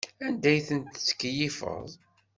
Anda ay tettkeyyifeḍ?